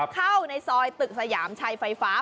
เข้าในซอยตึกสยามชัยไฟฟ้า